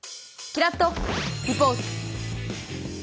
キラッとリポート！